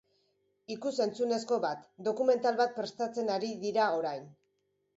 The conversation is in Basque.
Ikusentzunezko bat, dokumental bat prestatzen ari dira orain.